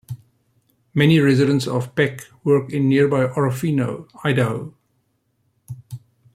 Many residents of Peck work in nearby Orofino, Idaho.